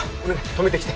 止めてきて。